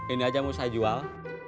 ini aja mau saya jual